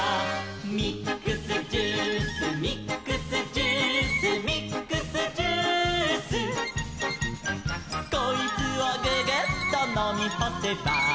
「ミックスジュースミックスジュース」「ミックスジュース」「こいつをググッとのみほせば」